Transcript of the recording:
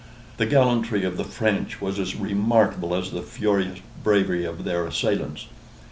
The gallantry of the French was as remarkable as the furious bravery of their assailants.